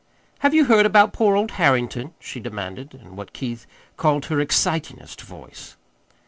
"Have you heard about poor old Harrington?" she demanded in what Keith called her "excitingest" voice.